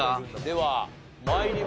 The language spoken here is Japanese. では参りましょう。